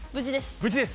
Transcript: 無事です。